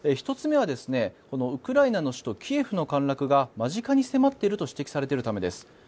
１つ目はウクライナの首都キエフの陥落が間近に迫っていると指摘されているためです。